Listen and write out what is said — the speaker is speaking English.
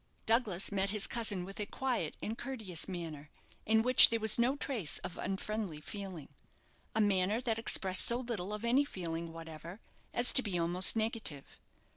Douglas met his cousin with a quiet and courteous manner, in which there was no trace of unfriendly feeling: a manner that expressed so little of any feeling whatever as to be almost negative.